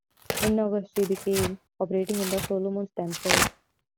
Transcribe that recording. In August she began operating in the Solomons themselves.